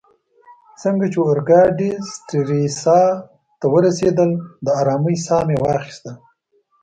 څنګه چي اورګاډې سټریسا ته ورسیدل، د آرامۍ ساه مې واخیسته.